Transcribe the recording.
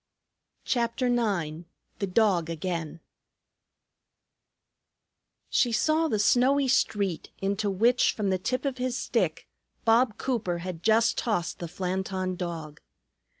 CHAPTER IX THE DOG AGAIN She saw the snowy street, into which, from the tip of his stick, Bob Cooper had just tossed the Flanton Dog.